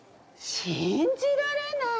信じられない！